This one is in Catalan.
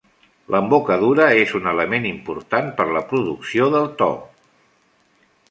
L'embocadura és un element important per la producció del to.